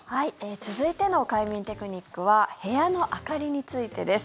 続いての快眠テクニックは部屋の明かりについてです。